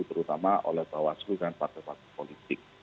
terutama oleh bawah seluruh partai partai politik